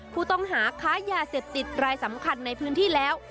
ผู้ต้องหาค้ายาเสพติดรายสำคัญในพื้นที่แล้ว